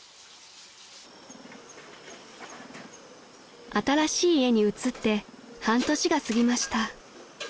［新しい家に移って半年が過ぎました］